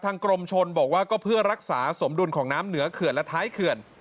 กรมชนบอกว่าก็เพื่อรักษาสมดุลของน้ำเหนือเขื่อนและท้ายเขื่อน